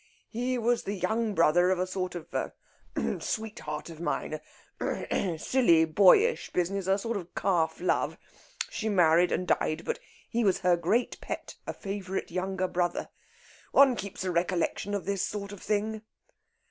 "He was the young brother of a sort of sweetheart of mine a silly boyish business a sort of calf love. She married and died. But he was her great pet, a favourite younger brother. One keeps a recollection of this sort of thing."